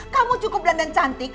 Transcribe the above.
kamu cukup dandan cantik